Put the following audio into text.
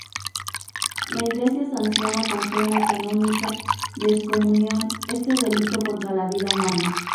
La Iglesia sanciona con pena canónica de excomunión este delito contra la vida humana.